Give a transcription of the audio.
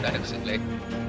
đã được dựng lên